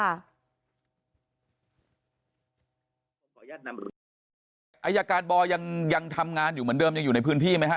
อายการอายการบอยยังทำงานอยู่เหมือนเดิมยังอยู่ในพื้นที่ไหมฮะ